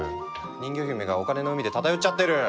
人魚姫がお金の海で漂っちゃってる！